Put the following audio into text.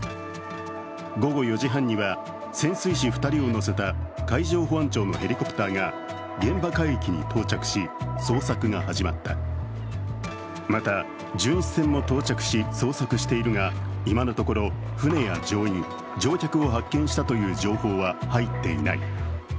午後４時半には潜水士２人を乗せた海上保安庁のヘリコプターが現場海域に到着し、捜索が始まったまた、巡視船も到着し捜索しているが今のところ、船や乗員、乗客を発見したという情報は入っていない。